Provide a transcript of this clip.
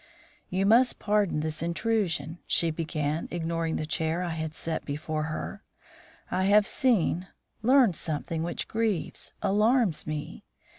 "You must pardon this intrusion," she began, ignoring the chair I had set for her. "I have seen learned something which grieves alarms me.